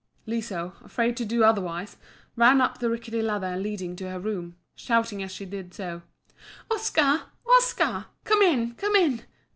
Liso, afraid to do otherwise, ran up the rickety ladder leading to her room, shouting as she did so, "Oscar! Oscar! come in, come in."